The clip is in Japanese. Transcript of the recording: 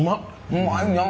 うまいな。